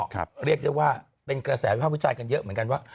เรียกได้ว่าเป็นกระแสวิภาพวิจารณ์กันเยอะเหมือนกันว่า